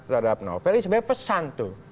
terhadap novel ini sebenarnya pesan tuh